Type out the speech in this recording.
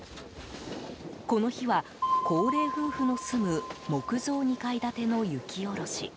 この日は、高齢夫婦の住む木造２階建ての雪下ろし。